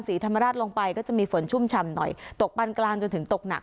ศรีธรรมราชลงไปก็จะมีฝนชุ่มฉ่ำหน่อยตกปันกลางจนถึงตกหนัก